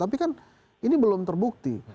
tapi kan ini belum terbukti